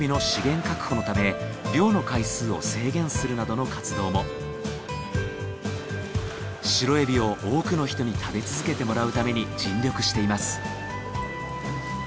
また組合を作りシロエビを多くの人に食べ続けてもらうために尽力しています。